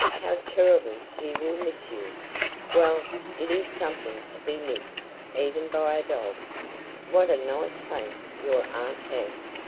How terribly he will miss you!" "Well, it is something to be missed, even by a dog." "What a nice face your aunt has!